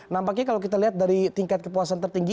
nampaknya kalau kita lihat dari tingkat kepuasan tertinggi